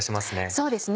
そうですね